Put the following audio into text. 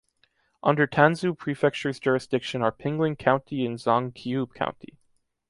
Under Tanzhou Prefecture’s jurisdiction are Pingling County and Zhangqiu County.